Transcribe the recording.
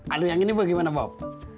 alu yang ini bagaimana bob